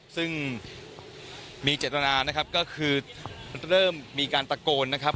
ซึ่งมีเจตนานะครับก็คือเริ่มมีการตะโกนนะครับ